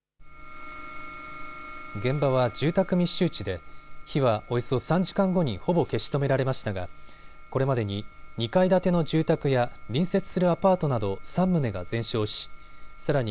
現場は住宅密集地で火はおよそ３時間後にほぼ消し止められましたがこれまでに２階建ての住宅や隣接するアパートなど３棟が全焼しさらに